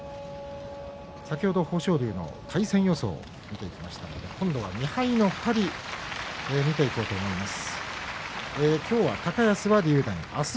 先ほど豊昇龍の対戦予想を見ていきましたが今度は２敗の２人の予想です。